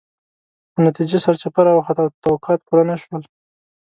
خو نتیجه سرچپه راوخته او توقعات پوره نه شول.